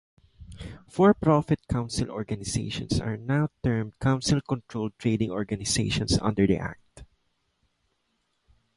For-profit council organisations are now termed "council-controlled trading organisations" under the Act.